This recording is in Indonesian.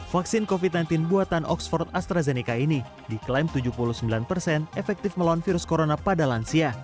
vaksin covid sembilan belas buatan oxford astrazeneca ini diklaim tujuh puluh sembilan persen efektif melawan virus corona pada lansia